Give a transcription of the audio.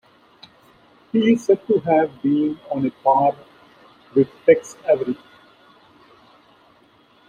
He is said to have been on a par with Tex Avery.